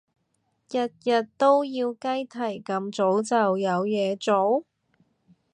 日日都要雞啼咁早就有嘢做？